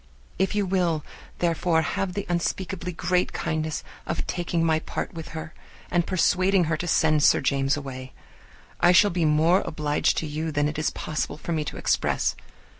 If you will, therefore, have the unspeakably great kindness of taking my part with her, and persuading her to send Sir James away, I shall be more obliged to you than it is possible for me to express.